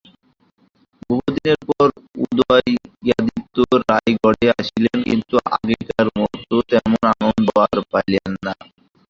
বহুদিনের পর উদয়াদিত্য রায়গড়ে আসিলেন, কিন্তু আগেকার মত তেমন আনন্দ আর পাইলেন না।